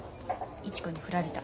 市子に振られた。